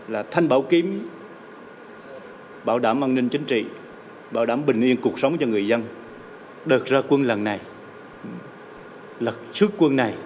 là thanh bảo kiếm bảo đảm an ninh chính trị bảo đảm bình yên cuộc sống cho người dân đợt ra quân lần này